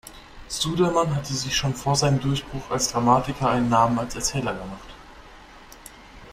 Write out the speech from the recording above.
Sudermann hatte sich schon vor seinem Durchbruch als Dramatiker einen Namen als Erzähler gemacht.